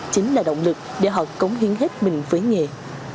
chính là động lực để họ cống hiến hết mình với nghề